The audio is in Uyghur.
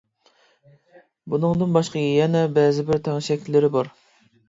بۇنىڭدىن باشقا يەنە بەزىبىر تەڭشەكلىرى بار.